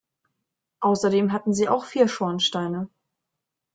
Außerdem hatten sie auch vier Schornsteine.